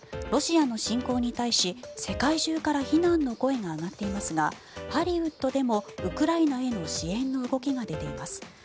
ロシアの侵攻に対し、世界中から非難の声が上がっていますがハリウッドでもウクライナへの支援の動きが出ています。